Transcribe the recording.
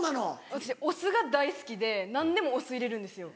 私お酢が大好きで何でもお酢入れるんですよ。